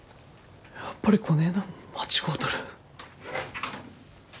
やっぱりこねえなん間違うとる。